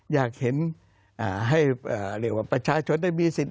อยากเห็นให้เรียกว่าประชาชนได้มีสิทธิ